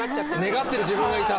願ってる自分がいた。